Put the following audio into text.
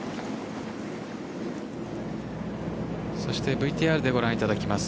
ＶＴＲでご覧いただきます